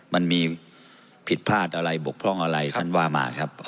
มันมีผิดพลาดอะไรบกพร่องอะไรท่านว่ามาครับ